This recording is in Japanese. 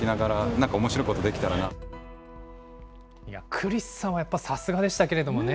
クリスさんはやっぱさすがでしたけれどもね。